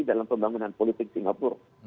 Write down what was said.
dalam pembangunan politik singapura